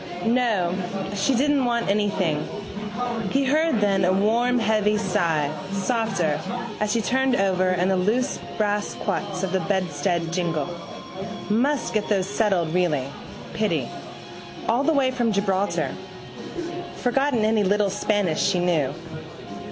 No. She didn't want anything. He heard then a warm heavy sigh, softer, as she turned over and the loose brass quoits of the bedstead jingled. Must get those settled really. Pity. All the way from Gibraltar. Forgotten any little Spanish she knew.